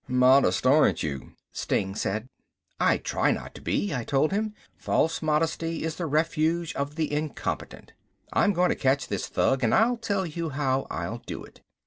"Modest, aren't you," Steng said. "I try not to be," I told him. "False modesty is the refuge of the incompetent. I'm going to catch this thug and I'll tell you how I'll do it.